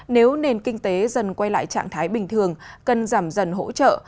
nếu nền kinh tế dần quay lại trạng thái bình thường cần giảm dần hỗ trợ